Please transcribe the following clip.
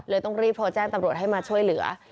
ต้องรีบโทรแจ้งตำรวจให้มาช่วยเหลือ